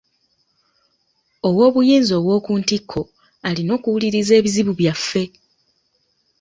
Ow'obuyinza ow'oku ntikko alina okuwuliriza ebizibu byaffe.